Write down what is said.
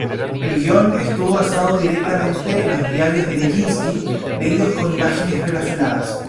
El guion estuvo basado directamente en los diarios de Nijinsky, leídos con imágenes relacionadas.